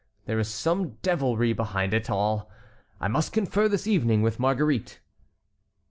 There is some deviltry beneath it all. I must confer this evening with Marguerite."